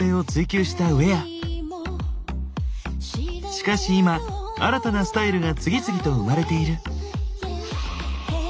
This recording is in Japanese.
しかし今新たなスタイルが次々と生まれている。